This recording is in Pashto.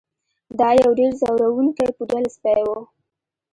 دا یو ډیر ځورونکی پوډل سپی و